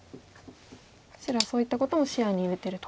白はそういったことも視野に入れてると。